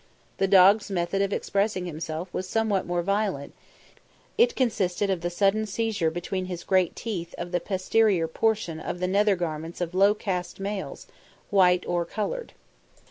The dog's method of expressing himself was somewhat more violent; it consisted of the sudden seizure between his great teeth of the posterior portion of the nether garments of low caste males, white or coloured.